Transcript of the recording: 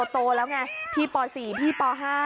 โตแล้วไงพี่ป๔พี่ป๕